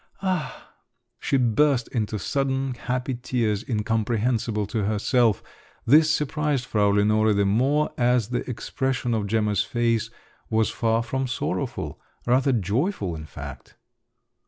… Ah!…" She burst into sudden happy tears, incomprehensible to herself. This surprised Frau Lenore, the more as the expression of Gemma's face was far from sorrowful,—rather joyful in fact.